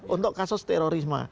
untuk kasus terorisme